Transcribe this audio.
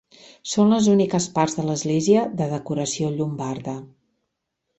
Són les úniques parts de l'església de decoració llombarda.